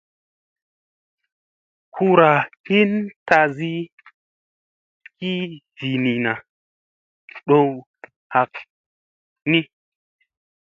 Kura hin tazi ki vinina ɗow ɦak ni.